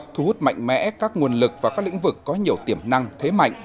thu hút mạnh mẽ các nguồn lực và các lĩnh vực có nhiều tiềm năng thế mạnh